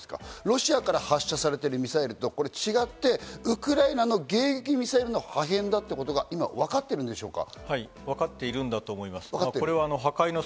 ロシアから発射されているミサイルと違って、ウクライナの迎撃ミサイルの破片だということは今わかっているんでしょうか？